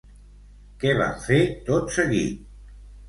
Què van fer tot seguit?